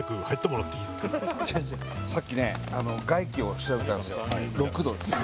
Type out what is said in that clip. さっきね外気を調べたんですよ。